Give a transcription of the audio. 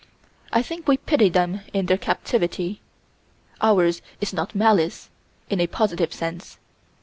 I think we pity them in their captivity. Ours is not malice in a positive sense.